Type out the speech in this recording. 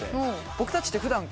僕たちって普段。